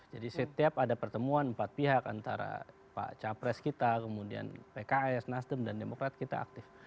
jadi setiap ada pertemuan empat pihak antara pak capres kita kemudian pks nasdem dan demokrat kita aktif